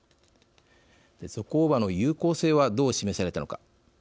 ゾコーバの有効性はどう示されたのか。